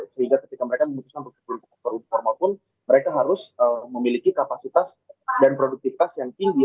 sehingga ketika mereka memutuskan untuk formal pun mereka harus memiliki kapasitas dan produktivitas yang tinggi